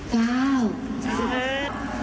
ได้ได้